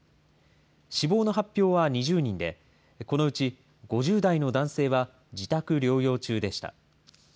死亡の発表は２０人で、このうち５０代の男性は自宅療養中でした。